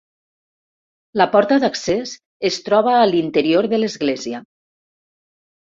La porta d'accés es troba a l'interior de l'església.